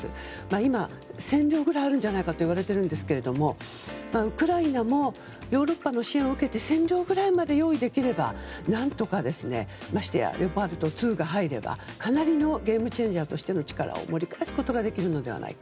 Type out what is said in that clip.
今、１０００両くらいあるんじゃないかといわれていますがウクライナもヨーロッパの支援を受けて１０００両ぐらいまで用意できれば何とかましてやレオパルト２が入ればかなりゲームチェンジャーとして力で乗りこなすことができるんじゃないか。